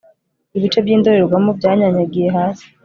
ibice by'indorerwamo byanyanyagiye hasi